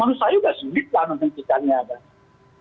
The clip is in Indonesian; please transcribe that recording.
menurut saya sudah sulit